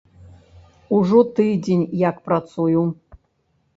Ужо тыдзень як працую.